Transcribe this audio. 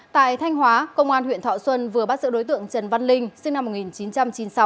tại thanh hóa công an huyện thọ xuân vừa bắt giữ đối tượng trần văn linh sinh năm một nghìn chín trăm chín mươi sáu